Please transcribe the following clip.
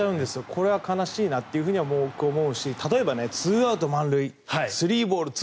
これは悲しいなと僕は思うし例えば、２アウト満塁３ボール２